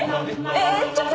えっ？